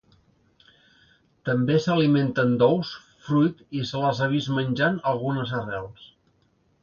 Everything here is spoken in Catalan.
També s'alimenten d'ous, fruit, i se les ha vist menjant algunes arrels.